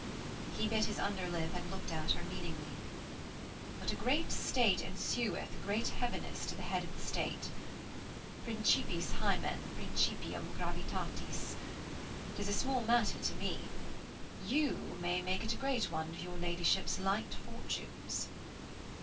He bit his under lip and looked at her meaningly. 'But a great state ensueth a great heaviness to the head of the State. Principis hymen, principium gravitatis.... 'Tis a small matter to me; you may make it a great one to your ladyship's light fortunes.'